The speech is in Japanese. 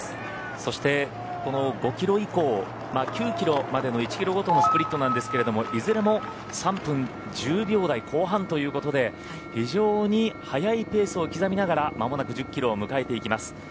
そしてこの５キロ以降９キロまでの１キロごとのスプリットなんですけどいずれも３分１０秒台後半ということで非常に速いペースを刻みながら間もなく１０キロを迎えていきます。